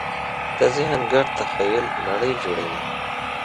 د ذهن ګډ تخیل نړۍ جوړوي.